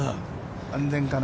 安全かな？